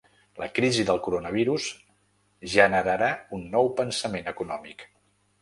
La crisi del coronavirus generarà un nou pensament econòmic.